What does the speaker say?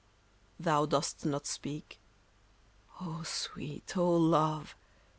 41 Thou dost not speak. O sweet ! O love !